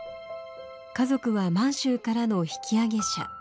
家族は満州からの引き揚げ者。